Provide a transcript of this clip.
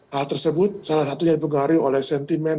hal tersebut salah satunya dipengaruhi oleh sentimen